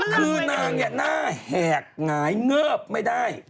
คือนางเนี่ยหน้าแหกหงายเงิบไม่ได้